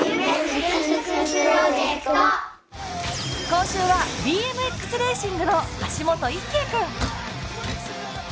今週はＢＭＸレーシングの橋本一圭君。